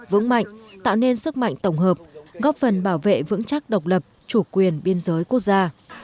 vững mạnh tạo nên sức mạnh tổng hợp góp phần bảo vệ vững chắc độc lập chủ quyền biên giới quốc gia